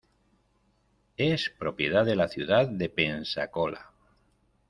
Es propiedad de la ciudad de Pensacola.